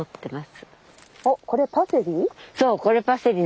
おっこれパセリ？